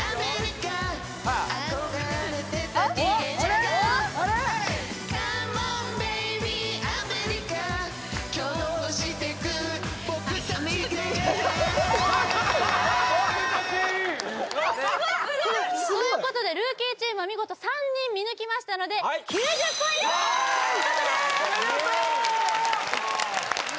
すごいすごい！ということでルーキーチームは見事３人見抜きましたのでおめでとう！